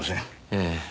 ええ。